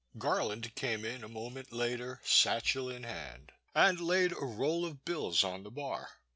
Garland came in a moment later, satchel in hand, and laid a roll of bills on the bar.